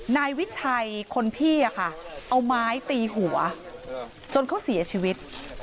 นายวิชัยคนพี่เอาไม้ตีหัวจนเขาเสียชีวิต